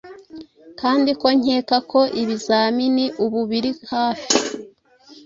kandi ko nkeka ko ibizamini ubu biri hafi